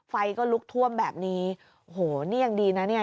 ไฟก็ลุกท่วมแบบนี้โอ้โหนี่ยังดีนะเนี่ย